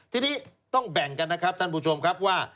ทีนี้ต้องแบ่งกันนะครับท่านผู้ชมครับว่า